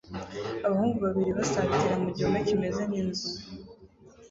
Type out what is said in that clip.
Abahungu babiri basatira mu gihome kimeze nk'inzu